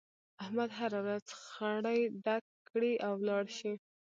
احمد هر ورځ خړی ډک کړي او ولاړ شي.